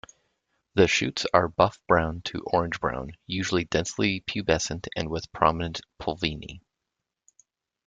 The shoots are buff-brown to orange-brown, usually densely pubescent, and with prominent pulvini.